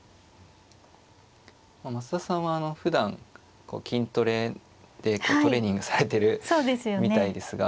増田さんはあのふだんこう筋トレでトレーニングされてるみたいですが。